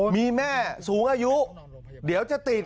มีแม่สูงอายุเดี๋ยวจะติด